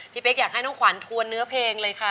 เป๊กอยากให้น้องขวัญทวนเนื้อเพลงเลยค่ะ